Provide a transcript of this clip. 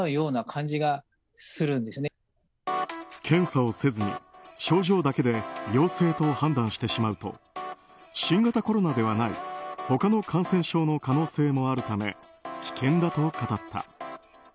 検査をせずに症状だけで陽性と判断してしまうと新型コロナではない他の感染症の可能性もあるため危険だと語った。